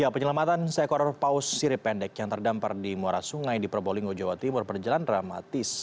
penyelamatan seekor paus sirip pendek yang terdampar di muara sungai di probolinggo jawa timur berjalan dramatis